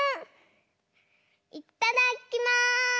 いっただっきます！